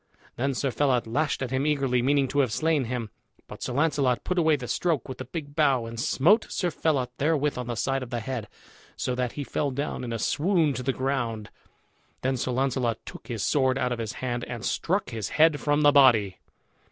Then Sir Phelot lashed at him eagerly, meaning to have slain him. But Sir Launcelot put away the stroke, with the big bough, and smote Sir Phelot therewith on the side of the head, so that he fell down in a swoon to the ground. Then Sir Launcelot took his sword out of his hand and struck his head from the body.